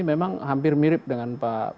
memang hampir mirip dengan